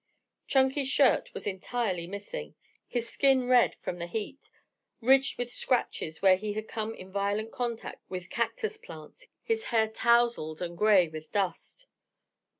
Chunky's shirt was entirely missing, his skin red from the heat, ridged with scratches where he had come in violent contact with cactus plants, his hair tousled and gray with dust.